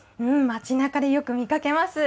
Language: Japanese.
街なかで、よく見かけます。